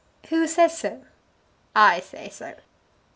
"Who says so?" "I say so."